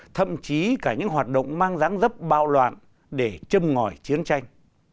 thậm chí cả những hoạt động mang dáng dấp bạo loạn để châm ngòi chiến tranh